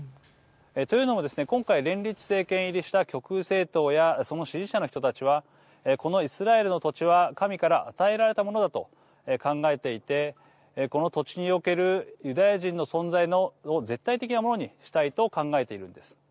というのもですね、今回連立政権入りした極右政党やその支持者の人たちはこのイスラエルの土地は神から与えられたものだと考えていてこの土地におけるユダヤ人の存在を絶対的なものにしたいと考えているんです。